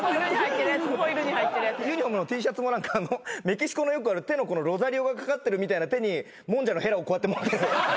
ユニホームのＴシャツもメキシコのよくある手のロザリオがかかってるみたいな手にもんじゃのへらをこうやって持ってる。